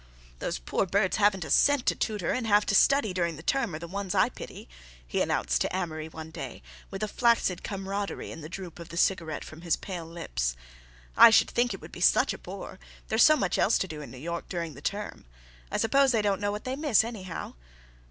"Those poor birds who haven't a cent to tutor, and have to study during the term are the ones I pity," he announced to Amory one day, with a flaccid camaraderie in the droop of the cigarette from his pale lips. "I should think it would be such a bore, there's so much else to do in New York during the term. I suppose they don't know what they miss, anyhow."